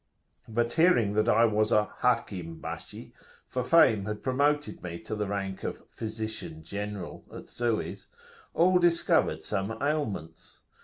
But hearing that I was a Hakim bashi for fame had promoted me to the rank of a "Physician General" at Suez all discovered some ailments.